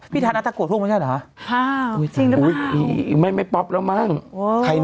แล้วเขามีแฟนไหม